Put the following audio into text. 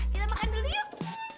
kita makan dulu yuk